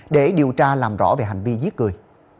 để điều tra làm rõ về hành vi giết người